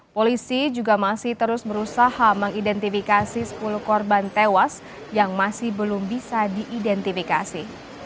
polisi juga masih terus berusaha mengidentifikasi sepuluh korban tewas yang masih belum bisa diidentifikasi